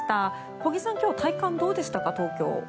小木さん、今日体感どうでしたか、東京。